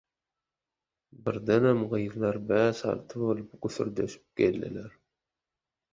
Birdenem gyzlar bäş-alty bolup güsärdeşip geldiler.